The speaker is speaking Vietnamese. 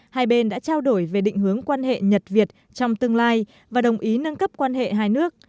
hai bên đã trao đổi về định hướng quan hệ nhật việt trong tương lai và đồng ý nâng cấp quan hệ hai nước